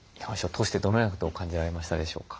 通してどのようなことを感じられましたでしょうか？